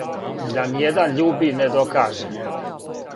Да ниједан љуби не докаже.